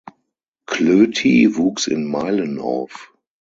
Klöti wuchs in Meilen auf.